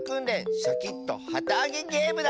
シャキットはたあげゲームだ！